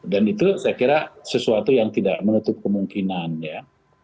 dan itu saya kira sesuatu yang tidak menutup kemungkinan ya